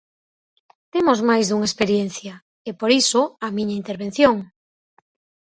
Temos máis dunha experiencia, e por iso a miña intervención.